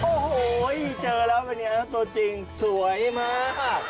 โอ้โหเจอแล้วกันเนี่ยตัวจริงสวยมาก